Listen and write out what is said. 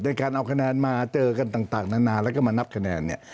โดยการเอาคะแนนมาเจอกันต่างนานาแล้วก็มานับคะแนนเนี่ย